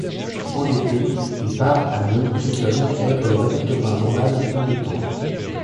Endetté, il part à Neunkirchen être le rédacteur d'un journal peu de temps.